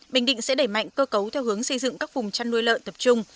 bình định sẽ đẩy mạnh cơ cấu theo hướng xây dựng các vùng chăn nuôi lợn tập trung